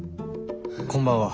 こんばんは。